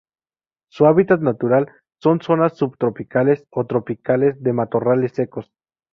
Su hábitat natural son: zonas subtropicales o tropicales de matorrales secos.